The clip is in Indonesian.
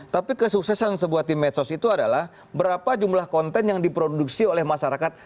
tapi kesuksesan sebuah tim medsos itu adalah berapa jumlah konten yang diproduksi oleh masyarakat